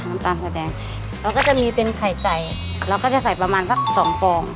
น้ำตาลสายแดงแล้วก็จะมีเป็นไข่ไก่แล้วก็จะใส่ประมาณสักสองฟอง